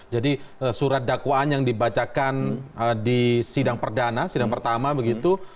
jadi surat dakwaan yang dibacakan di sidang perdana sidang pertama begitu